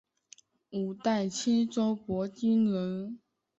五代青州博兴人。